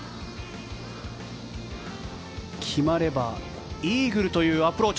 決まればイーグルというアプローチ。